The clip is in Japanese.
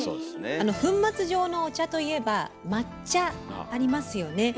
粉末状のお茶といえば抹茶ありますよね。